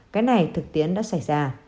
cái này thực tiễn đã xảy ra